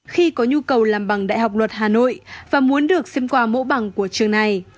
khi có nhu cầu làm bằng đại học luật hà nội và muốn được xem qua mẫu bằng của trường này